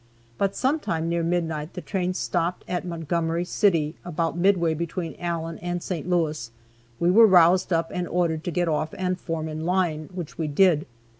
But sometime near midnight the train stopped at Montgomery City, about midway between Allen and St. Louis, we were roused up, and ordered to get off and form in line, which we did.